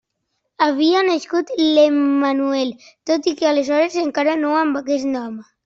Havia nascut l'Emmanuel, tot i que aleshores encara no amb aquest nom.